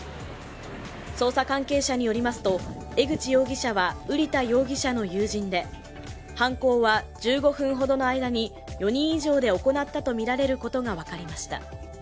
捜査関係者によりますと、江口容疑者は瓜田容疑者の友人で犯行は１５分ほどの間に４人以上で行ったとみられることが分かりました。